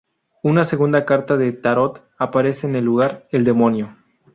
Una segunda carta de tarot aparece en el lugar: el demonio.